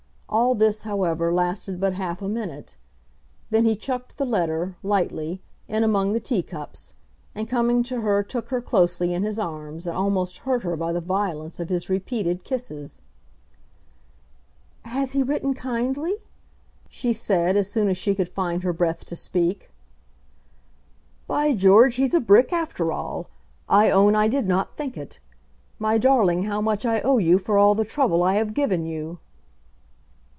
All this, however, lasted but half a minute. Then he chucked the letter, lightly, in among the tea cups, and coming to her took her closely in his arms and almost hurt her by the violence of his repeated kisses. "Has he written kindly?" she said, as soon as she could find her breath to speak. "By George, he's a brick after all. I own I did not think it. My darling, how much I owe you for all the trouble I have given you."